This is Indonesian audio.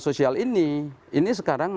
sosial ini ini sekarang